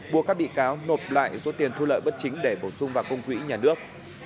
buộc các bị cáo nộp lại số tiền thu lợi bất chính để bổ sung vào công quỹ nhà nước